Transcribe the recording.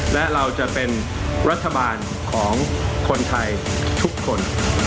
และเราจะเป็นรัฐบาลของคนไทยทุกคน